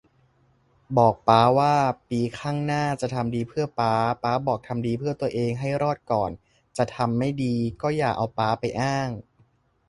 บอกป๊าว่า ปีข้างหน้า จะทำดีเพื่อป๊า ป๊าบอกทำดีเพื่อตัวเองให้รอดก่อน จะทำไม่ดีก็อย่าเอาป๊าไปอ้าง